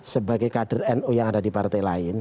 sebagai kader nu yang ada di partai lain